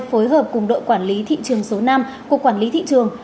phối hợp cùng đội quản lý thị trường số năm của quản lý thị trường